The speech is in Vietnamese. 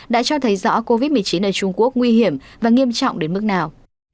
đã cho thấy rõ covid một mươi chín ở trung quốc nguy hiểm và nghiêm trọng đến mức nào